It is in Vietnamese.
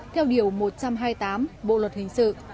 theo điều một trăm hai mươi tám bộ luật hình sự